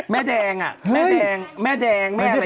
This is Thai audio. แม่แดงอ่ะแม่แดงแม่แดงแม่อะไรอย่างนั้นใช่ไหม